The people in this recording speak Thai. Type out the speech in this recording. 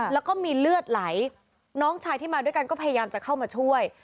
แล้วก็มีเลือดไหลน้องชายที่มาด้วยกันก็พยายามจะเข้ามาช่วย